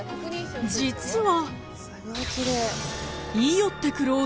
［実は］